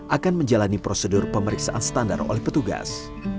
akan menjalani prosedur pemeriksaan standar oleh petugas